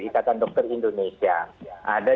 ikatan dokter indonesia ada